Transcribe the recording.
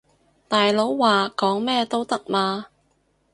大佬話講咩都得嘛